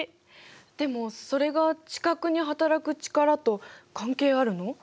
でもそれが地殻にはたらく力と関係あるの？